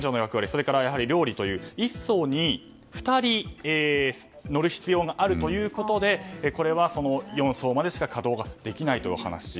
それから料理と、１艘に２人乗る必要があるということでこれは４艘までしか稼働ができないというお話。